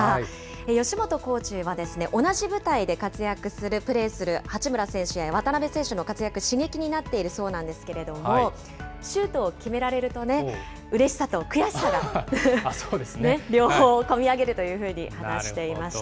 吉本コーチは、同じ舞台で活躍する、プレーする八村選手や渡邊選手の活躍、刺激になっているそうなんですけれども、シュートを決められるとね、うれしさと悔しさが、両方、こみ上げるというふうに話していました。